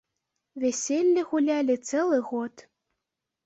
Вяселле гулялі цэлы год.